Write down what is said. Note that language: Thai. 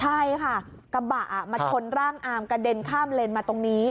ใช่ค่ะกระบะมาชนร่างอามกระเด็นข้ามเลนมาตรงนี้